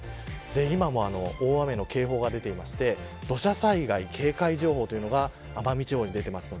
今も大雨の警報が出ていて土砂災害警戒情報というのが奄美地方に出ています。